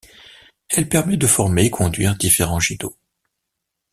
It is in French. Elle permet de former et conduire différents jets d'eau.